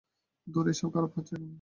ধুর এসব খারাপ হচ্ছে এখন!